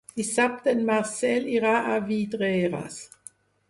Dissabte en Marcel irà a Vidreres.